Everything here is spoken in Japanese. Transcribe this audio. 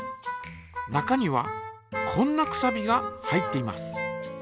中にはこんなくさびが入っています。